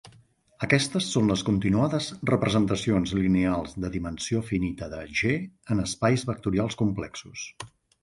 Aquestes són les continuades representacions lineals de dimensió finita de "G" en espais vectorials complexos.